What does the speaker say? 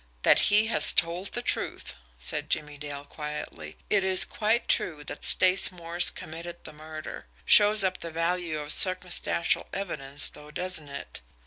"That he has told the truth," said Jimmie Dale quietly. "It is quite true that Stace Morse committed the murder. Shows up the value of circumstantial evidence though, doesn't it?